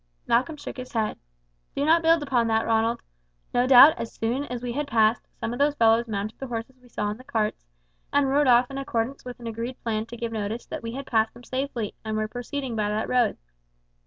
Malcolm shook his head. "Do not build upon that, Ronald. No doubt as soon as we had passed, some of those fellows mounted the horses we saw in the carts, and rode off in accordance with an agreed plan to give notice that we had passed them safely, and were proceeding by that road.